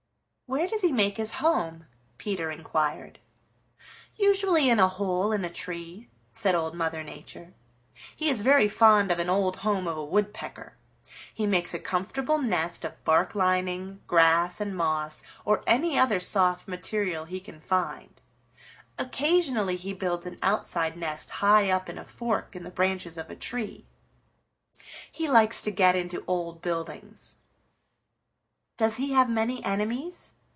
"Where does he make his home?" Peter inquired. "Usually in a hole in a tree," said Old Mother Nature. "He is very fond of an old home of a Woodpecker. He makes a comfortable nest of bark lining, grass, and moss, or any other soft material he can find. Occasionally he builds an outside nest high up in a fork in the branches of a tree. He likes to get into old buildings." "Does he have many enemies?"